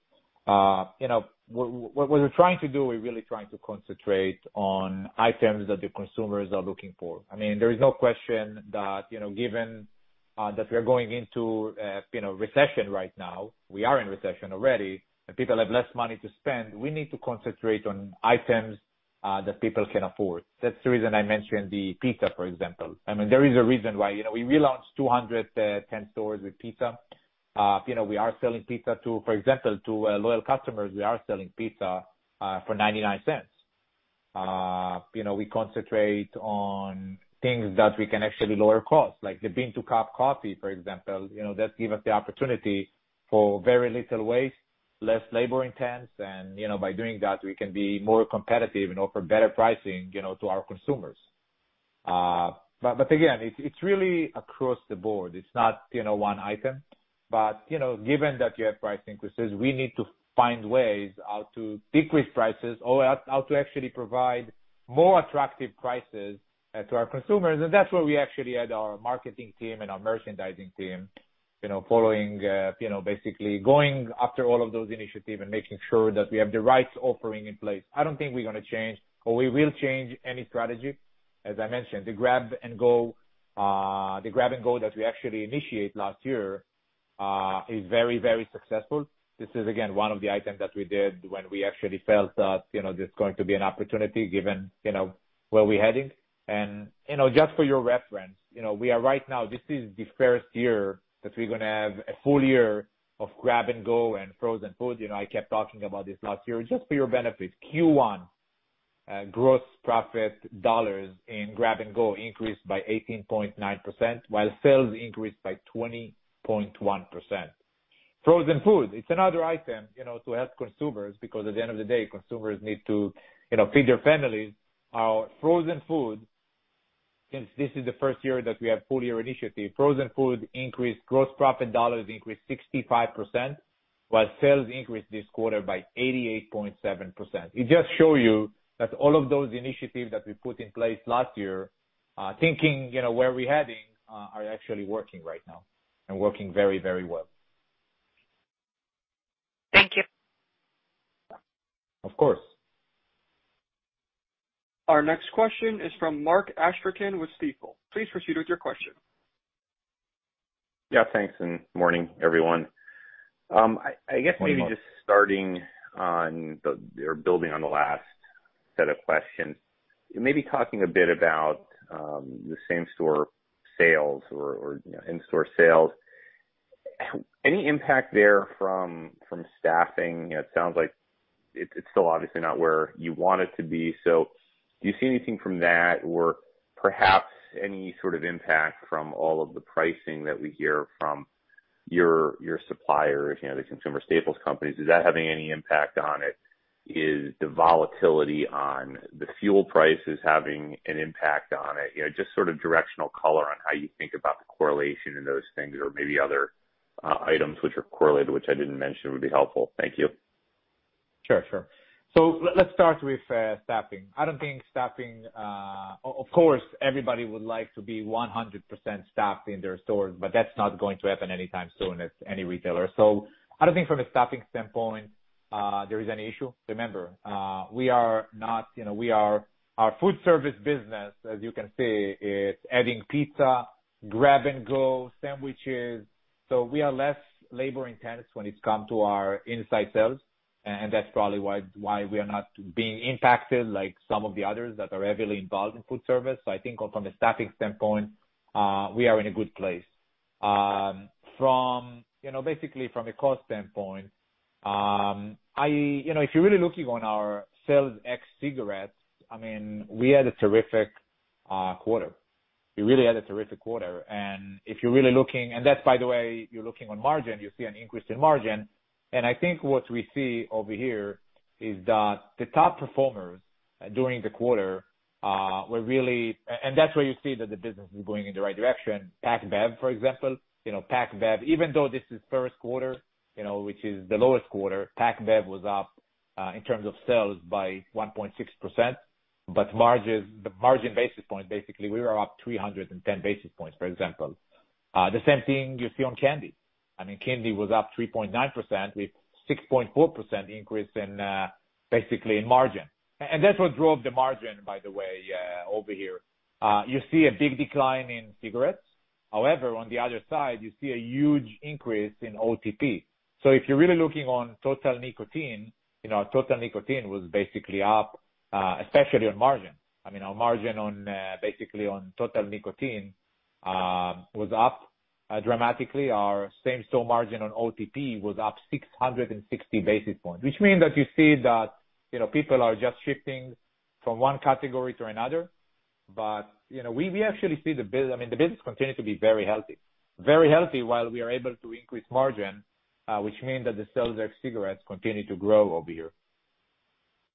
You know, what we're trying to do, we're really trying to concentrate on items that the consumers are looking for. I mean, there is no question that, given that we are going into recession right now, we are in recession already, and people have less money to spend, we need to concentrate on items that people can afford. That's the reason I mentioned the pizza, for example. I mean, there is a reason why, you know, we relaunched 210 stores with pizza. You know, we are selling pizza to, for example, loyal customers, we are selling pizza for $0.99. We concentrate on things that we can actually lower costs, like the bean-to-cup coffee, for example. That gives us the opportunity for very little waste, less labor intense, and, you know, by doing that, we can be more competitive and offer better pricing, you know, to our consumers. But again, it's really across the board. It's not, one item. Given that you have price increases, we need to find ways how to decrease prices or how to actually provide more attractive prices to our consumers. That's where we actually had our marketing team and our merchandising team, you know, following, you know, basically going after all of those initiatives and making sure that we have the right offering in place. I don't think we're gonna change, or we will change any strategy. As I mentioned, the grab and go that we actually initiate last year is very, very successful. This is again, one of the items that we did when we actually felt that, you know, there's going to be an opportunity given where we're heading. Just for your reference, we are right now, this is the first year that we're gonna have a full year of grab and go and frozen food. I kept talking about this last year. Just for your benefit, Q1, gross profit dollars in grab and go increased by 18.9%, while sales increased by 20.1%. Frozen food, it's another item, you know, to help consumers because at the end of the day, consumers need to, you know, feed their families. Our frozen food, since this is the first year that we have full year initiative, frozen food increased, gross profit dollars increased 65%, while sales increased this quarter by 88.7%. It just show you that all of those initiatives that we put in place last year, thinking, where we're heading, are actually working right now and working very, very well. Thank you. Of course. Our next question is from Mark Astrachan with Stifel. Please proceed with your question. Yeah, thanks, morning, everyone. I guess maybe building on the last set of questions, maybe talking a bit about the same-store sales or, you know, in-store sales. Any impact there from staffing? It sounds like it's still obviously not where you want it to be. Do you see anything from that or perhaps any sort of impact from all of the pricing that we hear from your suppliers, the consumer staples companies? Is that having any impact on it? Is the volatility on the fuel prices having an impact on it? You know, just sort of directional color on how you think about the correlation in those things or maybe other items which are correlated, which I didn't mention would be helpful. Thank you. Sure. Let's start with staffing. Of course, everybody would like to be 100% staffed in their stores, but that's not going to happen anytime soon for any retailer. I don't think from a staffing standpoint there is any issue. Remember, our food service business, as you can see, is adding pizza, grab and go sandwiches. We are less labor intense when it comes to our inside sales, and that's probably why we are not being impacted like some of the others that are heavily involved in food service. I think from a staffing standpoint, we are in a good place. From a cost standpoint, you know, basically. If you're really looking on our sales ex cigarettes, I mean, we had a terrific quarter. We really had a terrific quarter. If you're really looking, that's by the way, you're looking on margin, you see an increase in margin. I think what we see over here is that the top performers during the quarter were really, and that's where you see that the business is going in the right direction. Packaged Beverages, for example. Packaged Beverages, even though this is first quarter, you know, which is the lowest quarter, Packaged Beverages was up in terms of sales by 1.6%, but margins, the margin basis point, basically, we were up 310 basis points, for example. The same thing you see on candy. I mean, candy was up 3.9% with 6.4% increase in basically in margin. That's what drove the margin, by the way, over here. You see a big decline in cigarettes. However, on the other side, you see a huge increase in OTP. If you're really looking on total nicotine, total nicotine was basically up, especially on margin. I mean, our margin on basically on total nicotine was up dramatically. Our same-store margin on OTP was up 660 basis points, which mean that you see that, you know, people are just shifting from one category to another. We actually see I mean, the business continues to be very healthy, very healthy while we are able to increase margin, which means that the sales of cigarettes continue to grow over here.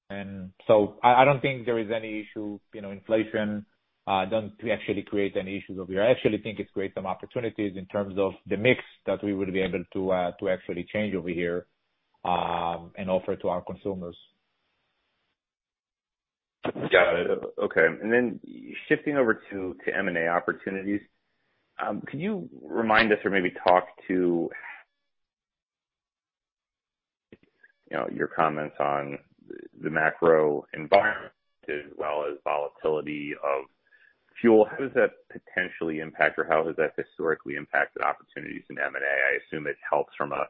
I don't think there is any issue. You know, inflation doesn't actually create any issues over here. I actually think it's created some opportunities in terms of the mix that we would be able to actually change over here, and offer to our consumers. Got it. Okay. Then shifting over to M&A opportunities, could you remind us or maybe talk to, you know, your comments on the macro environment as well as volatility of fuel? How does that potentially impact or how has that historically impacted opportunities in M&A? I assume it helps from a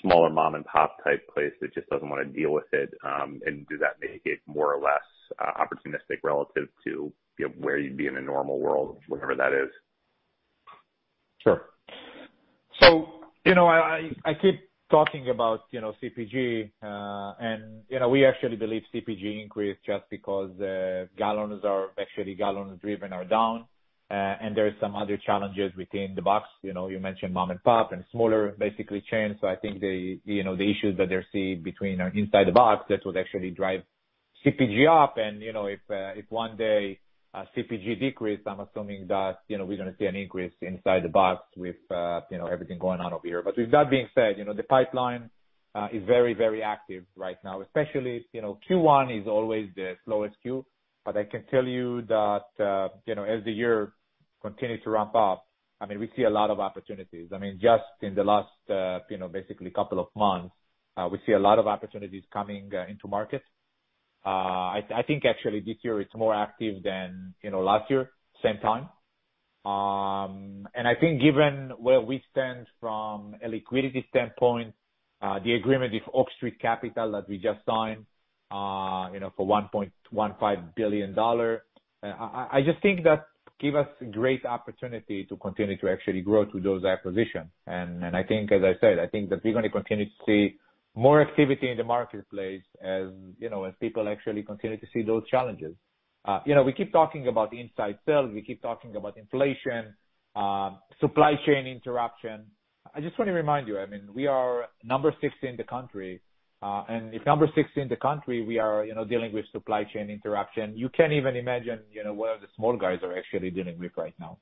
smaller mom-and-pop type place that just doesn't wanna deal with it, and does that make it more or less opportunistic relative to where you'd be in a normal world, whenever that is? I keep talking about, you know, CPG, and, you know, we actually believe CPG increased just because, gallons are actually gallons driven are down. There's some other challenges within the box. You mentioned mom-and-pop and smaller, basically, chains. I think you know, the issues that they're seeing between or inside the box, that would actually drive CPG up, and, you know, if one day, CPG decrease, I'm assuming that, you know, we're gonna see an increase inside the box with everything going on over here. With that being said, the pipeline is very, very active right now, especially, you know, Q1 is always the slowest quarter. I can tell you that, as the year continues to ramp up, I mean, we see a lot of opportunities. I mean, just in the last, you know, basically couple of months, we see a lot of opportunities coming into markets. I think actually this year it's more active than last year same time. I think given where we stand from a liquidity standpoint, the agreement with Oak Street that we just signed, you know, for $1.15 billion, I just think that give us great opportunity to continue to actually grow through those acquisitions. I think, as I said, I think that we're gonna continue to see more activity in the marketplace as, you know, as people actually continue to see those challenges. We keep talking about the inside sales. We keep talking about inflation, supply chain interruption. I just wanna remind you, I mean, we are number 60 in the country, and if number 60 in the country, we are, dealing with supply chain interruption. You can't even imagine, you know, what the small guys are actually dealing with right now.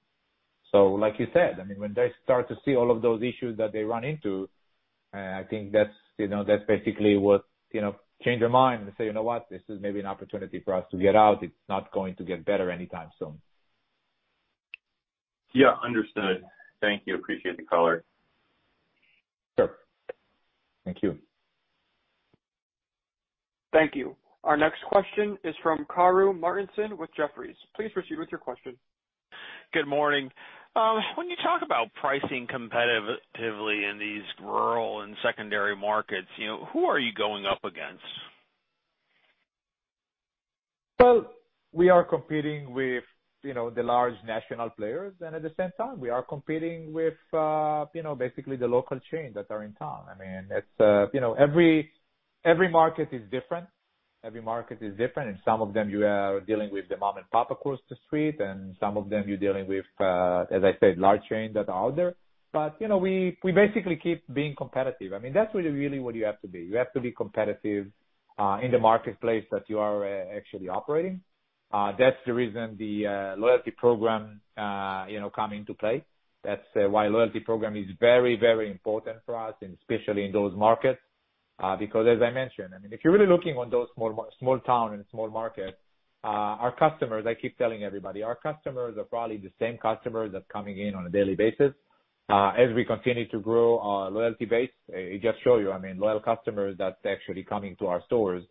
Like you said, I mean, when they start to see all of those issues that they run into, I think that's basically what, change their mind and say, "You know what? This is maybe an opportunity for us to get out. It's not going to get better anytime soon. Yeah. Understood. Thank you. Appreciate the color. Sure. Thank you. Thank you. Our next question is from Karru Martinson with Jefferies. Please proceed with your question. Good morning. When you talk about pricing competitively in these rural and secondary markets, who are you going up against? Well, we are competing with, the large national players, and at the same time, we are competing with, you know, basically the local chains that are in town. I mean, it's, you know, every market is different. In some of them you are dealing with the mom-and-pop across the street, and some of them you're dealing with, as I said, large chains that are out there. We basically keep being competitive. I mean, that's really what you have to be. You have to be competitive in the marketplace that you are actually operating. That's the reason the loyalty program, come into play. That's why loyalty program is very, very important for us, and especially in those markets. Because as I mentioned, I mean, if you're really looking on those small town and small markets, our customers, I keep telling everybody, our customers are probably the same customers that's coming in on a daily basis. As we continue to grow our loyalty base, it just show you, I mean, loyal customers that's actually coming to our stores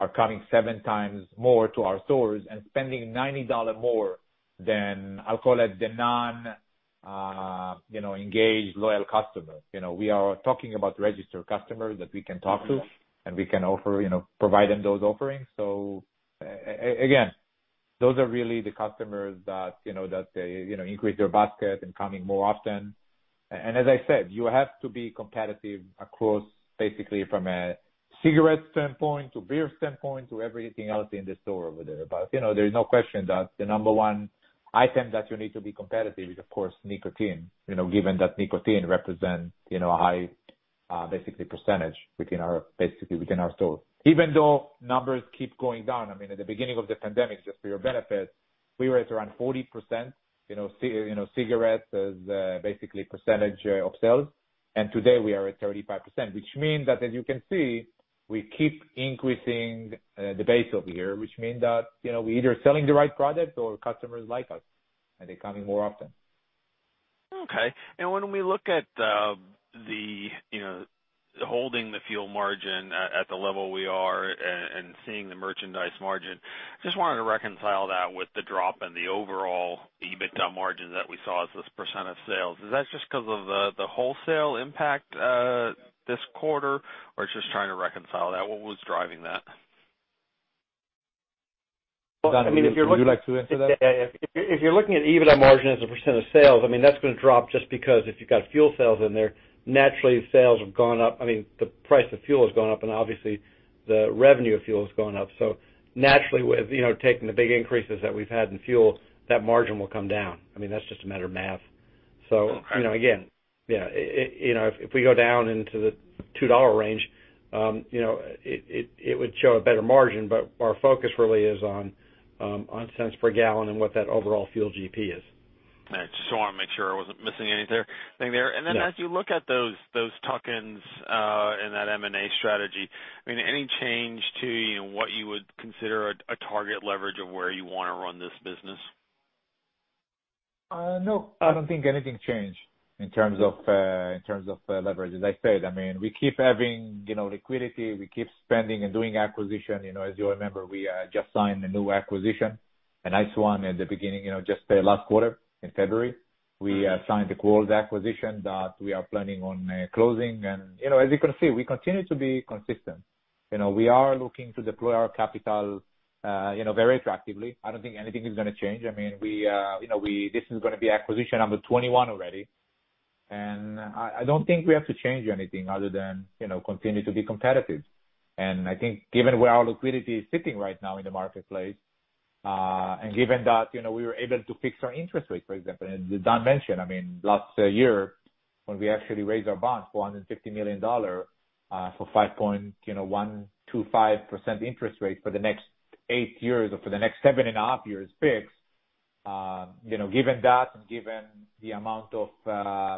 are coming 7 times more to our stores and spending $90 more than, I'll call it, the non, you know, engaged, loyal customers. We are talking about registered customers that we can talk to, and we can offer, you know, provide them those offerings. Again, those are really the customers that, increase their basket and coming more often. As I said, you have to be competitive across basically from a cigarette standpoint to beer standpoint to everything else in the store over there. You know, there's no question that the number one item that you need to be competitive is of course nicotine. Given that nicotine represent, you know, a high, basically percentage within our, basically within our stores. Even though numbers keep going down, I mean, at the beginning of the pandemic, just for your benefit, we were at around 40%, you know, cigarettes as, basically percentage, of sales. Today, we are at 35%, which means that as you can see, we keep increasing, the base over here, which mean that, we're either selling the right product or customers like us and they're coming more often. Okay. When we look at the you know holding the fuel margin at the level we are and seeing the merchandise margin, just wanted to reconcile that with the drop in the overall EBITDA margin that we saw as this % of sales. Is that just 'cause of the wholesale impact this quarter, or just trying to reconcile that? What was driving that? Don, would you like to answer that? If you're looking at EBITDA margin as a % of sales, I mean, that's gonna drop just because if you've got fuel sales in there, naturally sales have gone up. I mean, the price of fuel has gone up, and obviously the revenue of fuel has gone up. So naturally with, taking the big increases that we've had in fuel, that margin will come down. I mean, that's just a matter of math. Okay. If we go down into the $2 range, you know, it would show a better margin, but our focus really is on cents per gallon and what that overall fuel GP is. I just want to make sure I wasn't missing anything there. Then as you look at those tuck-ins in that M&A strategy, I mean, any change to, you know, what you would consider a target leverage of where you wanna run this business? No, I don't think anything changed in terms of leverage. As I said, I mean, we keep having, you know, liquidity. We keep spending and doing acquisition. As you remember, we just signed a new acquisition, a nice one at the beginning, you know, just last quarter in February. We signed the Quarles acquisition that we are planning on closing. As you can see, we continue to be consistent. You know, we are looking to deploy our capital, you know, very attractively. I don't think anything is gonna change. I mean, we, you know, this is gonna be acquisition number 21 already. I don't think we have to change anything other than, continue to be competitive. I think given where our liquidity is sitting right now in the marketplace, and given that, you know, we were able to fix our interest rate, for example. As Don mentioned, I mean, last year, when we actually raised our bonds, $450 million, for 5.125% interest rate for the next 8 years or for the next 7.5 years fixed. You know, given that, given the amount of,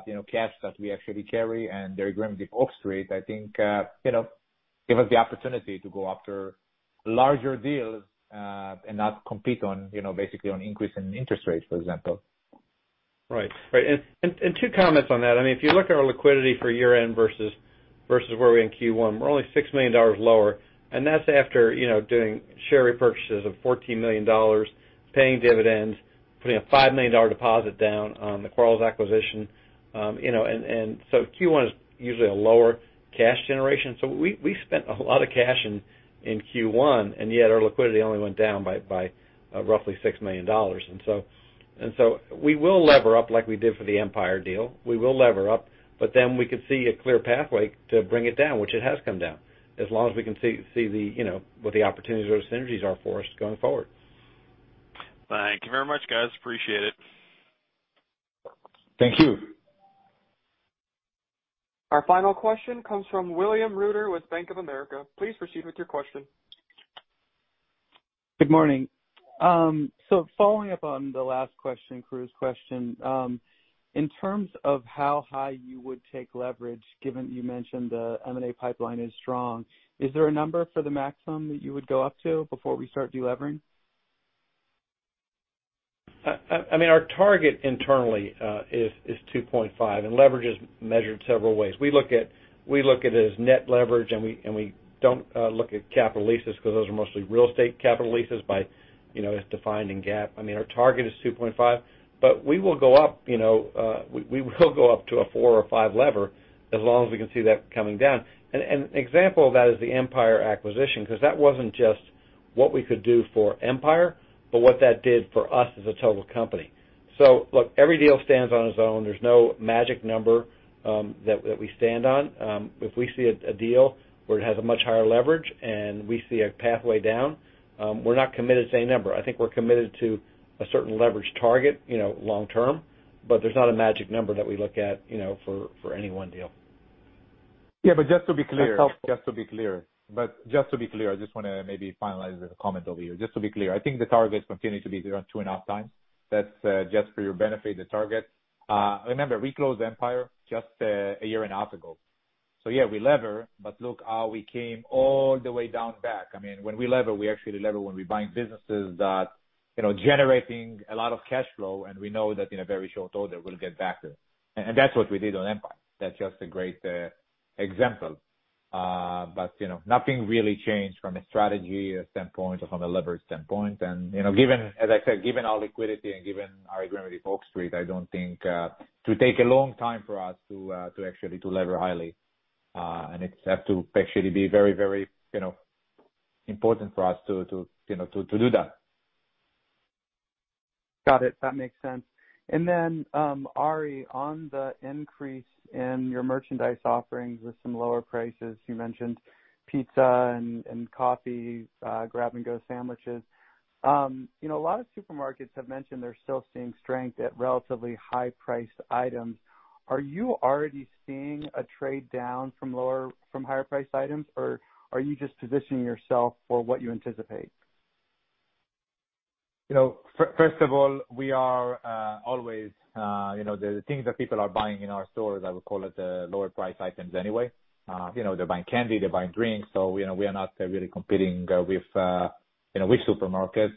you know, cash that we actually carry and the agreement with Oak Street, I think, you know, give us the opportunity to go after larger deals, and not compete on, you know, basically on increase in interest rates, for example. Right. Two comments on that. I mean, if you look at our liquidity for year-end versus where we're in Q1, we're only $6 million lower, and that's after, you know, doing share repurchases of $14 million, paying dividends, putting a $5 million deposit down on the Quarles acquisition. You know, Q1 is usually a lower cash generation. We spent a lot of cash in Q1, and yet our liquidity only went down by roughly $6 million. We will lever up like we did for the Empire deal. We will lever up, but then we can see a clear pathway to bring it down, which it has come down. As long as we can see the, you know, what the opportunities or synergies are for us going forward. Thank you very much, guys. Appreciate it. Thank you. Our final question comes from William Reuter with Bank of America. Please proceed with your question. Good morning. Following up on the last question, Karru's question, in terms of how high you would take leverage, given you mentioned the M&A pipeline is strong, is there a number for the maximum that you would go up to before we start delevering? I mean our target internally is 2.5, and leverage is measured several ways. We look at it as net leverage, and we don't look at capital leases because those are mostly real estate capital leases, you know, as defined in GAAP. I mean, our target is 2.5, but we will go up, you know, we will go up to a 4 or 5 leverage as long as we can see that coming down. An example of that is the Empire acquisition, because that wasn't just what we could do for Empire, but what that did for us as a total company. Look, every deal stands on its own. There's no magic number that we stand on. If we see a deal where it has a much higher leverage and we see a pathway down, we're not committed to any number. I think we're committed to a certain leverage target, you know, long term, but there's not a magic number that we look at, for any one deal. Yeah. Just to be clear. That's helpful. Just to be clear, I just wanna maybe finalize the comment over here. Just to be clear, I think the target continues to be around 2.5 times. That's just for your benefit, the target. Remember, we closed Empire just a year and a half ago. Yeah, we lever, but look how we came all the way down back. I mean, when we lever, we actually lever when we're buying businesses that, you know, generating a lot of cash flow, and we know that in a very short order we'll get back to. That's what we did on Empire. That's just a great example. You know, nothing really changed from a strategy standpoint or from a leverage standpoint. You know, given, as I said, given our liquidity and given our agreement with Oak Street, I don't think it'll take a long time for us to actually lever highly. It has to actually be very, very, you know, to do that. Got it. That makes sense. Then, Arie, on the increase in your merchandise offerings with some lower prices, you mentioned pizza and coffee, grab-and-go sandwiches. You know, a lot of supermarkets have mentioned they're still seeing strength at relatively high priced items. Are you already seeing a trade down from higher priced items, or are you just positioning yourself for what you anticipate? You know, first of all, we are always, you know, the things that people are buying in our stores. I would call it lower priced items anyway. You know, they're buying candy, they're buying drinks, so, you know, we are not really competing, you know, with supermarkets.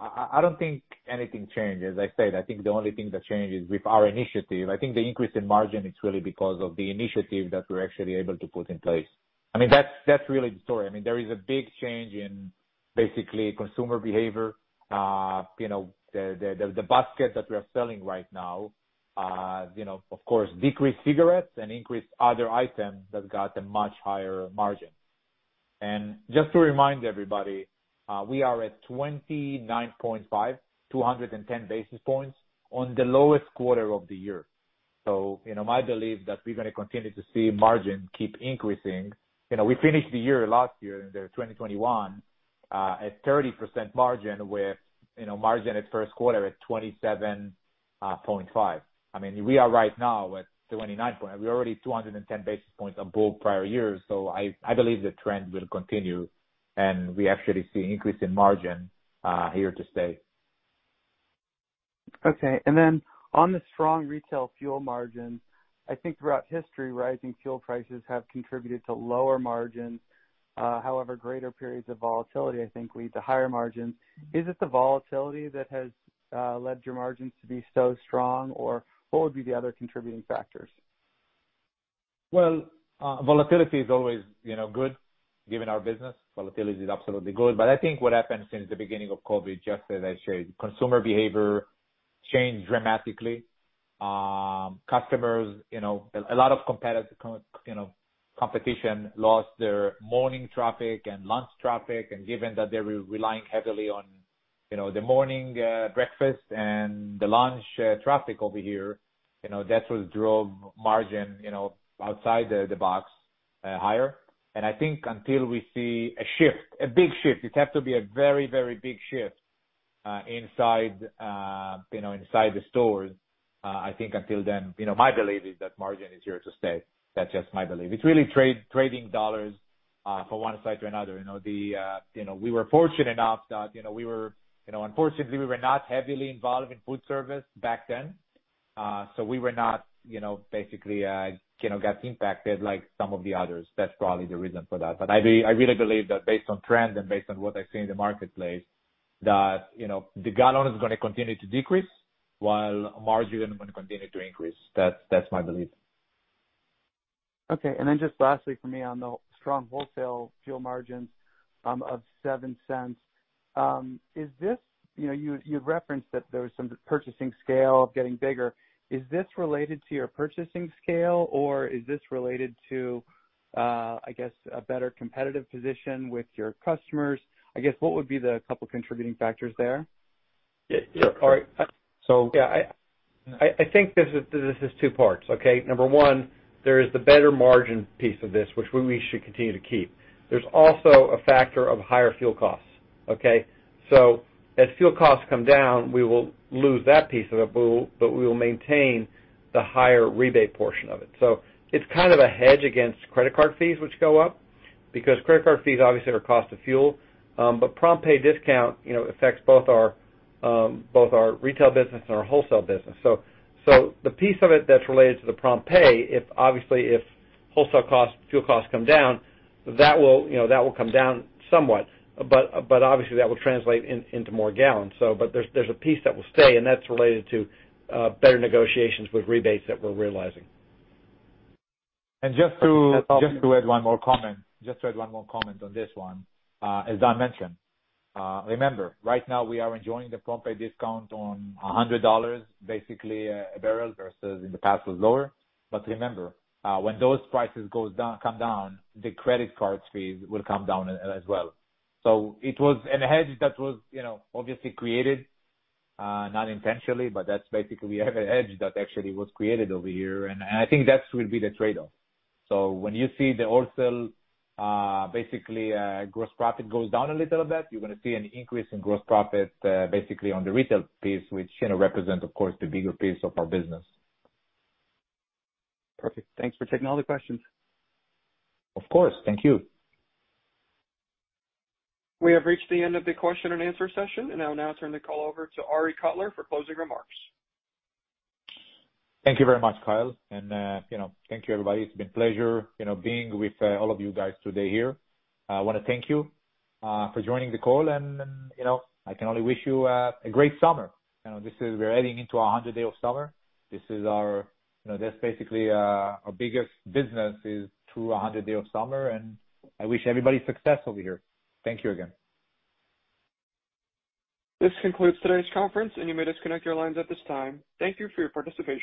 I don't think anything changed. As I said, I think the only thing that changed is with our initiative. I think the increase in margin is really because of the initiative that we're actually able to put in place. I mean, that's really the story. I mean, there is a big change in basically consumer behavior. You know, the basket that we are selling right now, you know, of course, decreased cigarettes and increased other items that got a much higher margin. Just to remind everybody, we are at 29.5, 210 basis points on the lowest quarter of the year. You know, my belief that we're gonna continue to see margin keep increasing. You know, we finished the year last year in the 2021, at 30% margin with, you know, margin at first quarter at 27.5. I mean, we are right now at 29. We're already 210 basis points above prior years, so I believe the trend will continue. We actually see increase in margin here to stay. Okay. On the strong retail fuel margin, I think throughout history, rising fuel prices have contributed to lower margins. However, greater periods of volatility I think lead to higher margins. Is it the volatility that has led your margins to be so strong, or what would be the other contributing factors? Well, volatility is always, you know, good, given our business. Volatility is absolutely good. But I think what happened since the beginning of COVID, just as I said, consumer behavior changed dramatically. Customers, you know, a lot of competitors, you know, competition lost their morning traffic and lunch traffic, and given that they're relying heavily on, you know, the morning, breakfast and the lunch, traffic over here, you know, that's what drove margin, you know, outside the box, higher. I think until we see a shift, a big shift, it has to be a very big shift, inside, you know, inside the stores, I think until then, you know, my belief is that margin is here to stay. That's just my belief. It's really trading dollars from one side to another, you know. You know, we were fortunate enough that you know, unfortunately we were not heavily involved in food service back then, so we were not, you know, basically, you know, got impacted like some of the others. That's probably the reason for that. I really believe that based on trend and based on what I see in the marketplace, that you know, the gallon is gonna continue to decrease while margin is gonna continue to increase. That's my belief. Okay. Just lastly from me on the strong wholesale fuel margins of $0.07. Is this, you know, you referenced that there was some purchasing scale of getting bigger. Is this related to your purchasing scale, or is this related to I guess a better competitive position with your customers? I guess, what would be the couple contributing factors there? Yeah, sure. All right. I think this is two parts. Okay? Number one, there is the better margin piece of this, which we should continue to keep. There is also a factor of higher fuel costs. Okay? As fuel costs come down, we will lose that piece of it, but we will maintain the higher rebate portion of it. It is kind of a hedge against credit card fees, which go up, because credit card fees obviously are cost of fuel. Prompt pay discount, you know, affects both our retail business and our wholesale business. The piece of it that is related to the prompt pay, obviously, if wholesale costs, fuel costs come down, that will come down somewhat. Obviously that will translate into more gallons. There's a piece that will stay, and that's related to better negotiations with rebates that we're realizing. Just to add one more comment on this one. As Don mentioned, remember, right now we are enjoying the prompt pay discount on $100, basically a barrel versus in the past was lower. Remember, when those prices come down, the credit card fees will come down as well. It was a hedge that was, you know, obviously created, not intentionally, but that's basically a hedge that actually was created over here. I think that will be the trade-off. When you see the wholesale, basically, gross profit goes down a little bit, you're gonna see an increase in gross profit, basically on the retail piece, which, you know, represent of course the bigger piece of our business. Perfect. Thanks for taking all the questions. Of course. Thank you. We have reached the end of the question and answer session, and I'll now turn the call over to Arie Kotler for closing remarks. Thank you very much, Kyle. Thank you, everybody. It's been pleasure, you know, being with all of you guys today here. I wanna thank you for joining the call and, you know, I can only wish you a great summer. You know, this is, we're heading into our 100 day of summer. This is our, you know, that's basically our biggest business is through a 100 day of summer, and I wish everybody success over here. Thank you again. This concludes today's conference, and you may disconnect your lines at this time. Thank you for your participation.